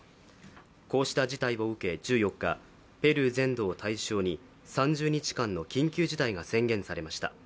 こうした事態を受け１４日、ペルー全土を対象に３０日間の緊急事態が宣言されました。